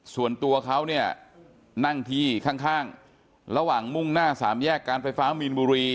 ส่วนตัวเขาเนี่ยนั่งที่ข้างระหว่างมุ่งหน้าสามแยกการไฟฟ้ามีนบุรี